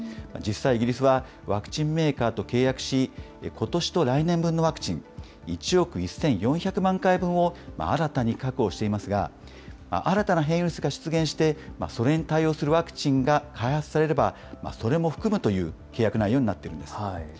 実際、イギリスはワクチンメーカーと契約し、ことしと来年分のワクチン、１億１４００万回分を新たに確保していますが、新たな変異ウイルスが出現して、それに対応するワクチンが開発されれば、それも含むという契約内容になっているんです。